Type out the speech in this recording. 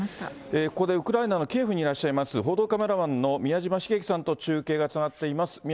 ここでウクライナのキエフにいらっしゃいます、報道カメラマンのみやじましげきさんと中継がつながっています。